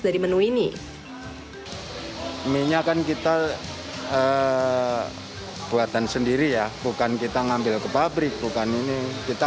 dari menu ini minyakan kita buatan sendiri ya bukan kita ngambil ke pabrik bukan ini kita